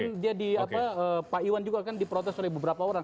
kemudian dia di apa pak iwan juga kan diprotes oleh beberapa orang